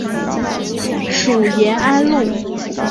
属延安路。